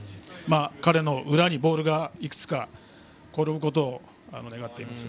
彼の裏にボールがいくつか転ぶことを願っています。